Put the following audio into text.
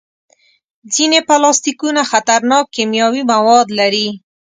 ځینې پلاستيکونه خطرناک کیمیاوي مواد لري.